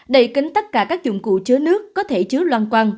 đậy kính tất cả các dụng cụ chứa nước có thể chứa loan quăng